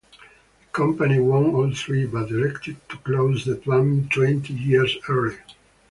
The company won all three, but elected to close the plant twenty years early.